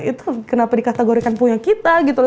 itu kenapa dikategorikan punya kita gitu loh